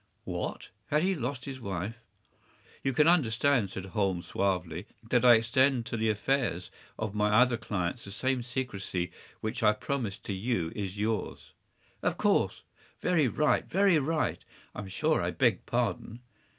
” “What! Had he lost his wife?” “You can understand,” said Holmes, suavely, “that I extend to the affairs of my other clients the same secrecy which I promise to you in yours.” “Of course! Very right! very right! I’m sure I beg pardon.